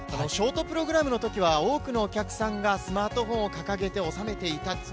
ショートプログラムのときは多くのお客さんがスマートフォンを掲げて収めていた、